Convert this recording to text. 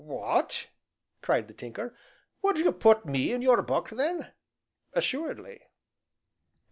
"What!" cried the Tinker. "Would you put me in your book then?" "Assuredly."